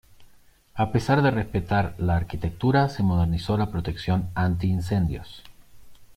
A pesar de respetar la arquitectura, se modernizó la protección antiincendios.